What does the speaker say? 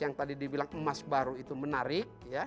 yang tadi dibilang emas baru itu menarik